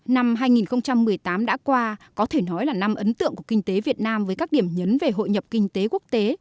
năm hai nghìn một mươi tám đã qua có thể nói là năm ấn tượng của kinh tế việt nam với các điểm nhấn về hội nhập kinh tế quốc tế